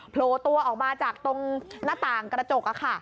โผล่ตัวออกมาจากตรงหน้าต่างกระจก